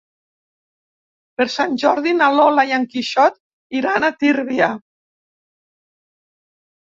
Per Sant Jordi na Lola i en Quixot iran a Tírvia.